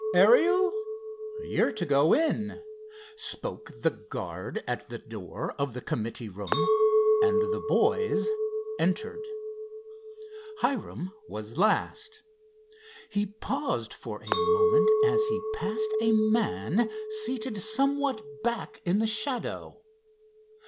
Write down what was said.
"Ariel? You're to go in," spoke the guard at the door of the committee room—and the boys entered. Hiram was last. He paused for a moment as he passed a man seated somewhat back in the shadow.